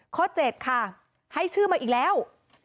ข้อ๗ค่ะให้ชื่อมาอีกแล้ว